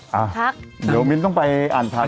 พักเดี๋ยวมิ้นต้องไปอ่านข่าว